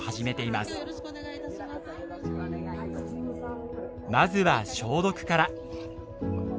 まずは消毒から。